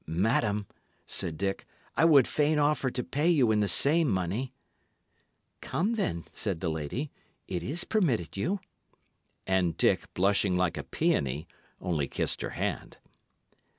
"Madam," said Dick, "I would fain offer to pay you in the same money." "Come, then," said the lady, "it is permitted you." But Dick, blushing like a peony, only kissed her hand.